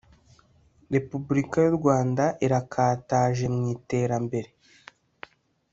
Repubulika y u Rwanda irakataje mwiterambere